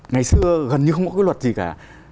ngày xưa gần như không có cái luật gì cả